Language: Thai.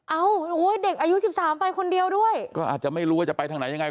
เอ้าเด็กอายุ๑๓ไปคนเดียวด้วยก็อาจจะไม่รู้จะไปทางไหนยังไง